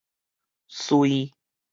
瑞